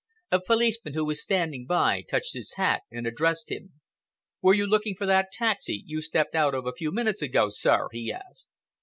A policeman who was standing by touched his hat and addressed him. "Were you looking for that taxi you stepped out of a few minutes ago, sir?" he asked.